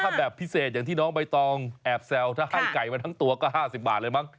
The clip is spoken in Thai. ไม่ต้องแอบแซวถ้าให้ไก่มาทั้งตัวก็๕๐บาทเลยมั้ง